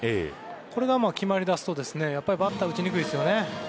これが決まりだすとバッターは打ちにくいですよね。